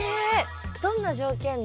どんな条件で？